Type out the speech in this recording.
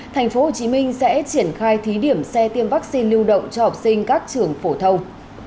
tp hcm sẽ triển khai thí điểm xe tiêm vaccine lưu động cho học sinh các trường phổ thông